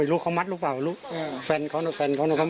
ไม่รู้เขามัดรึเปล่ารู้อ่าแฟนเขานะแฟนเขานะ